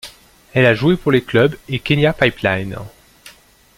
Elle a joué pour les clubs et Kenya Pipeline.